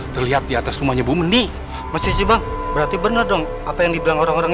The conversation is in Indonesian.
terlihat di atas rumahnya bumeni masih bang berarti bener dong apa yang dibilang orang orang